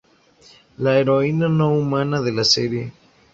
La heroína no humana de la serie.